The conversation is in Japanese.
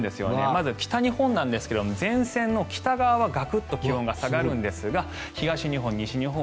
まず北日本なんですが前線の北側はガクッと気温が下がるんですが東日本、西日本